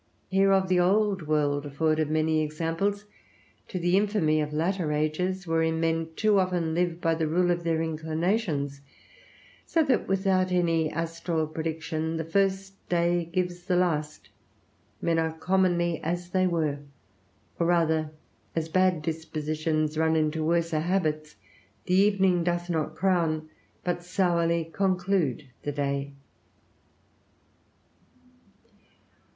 Hereof the old world afforded many examples to the infamy of latter ages, wherein men too often live by the rule of their inclinations; so that, without any astral prediction, the first day gives the last: men are commonly as they were; or rather, as bad dispositions run into worser habits, the evening doth not crown, but sourly conclude, the day.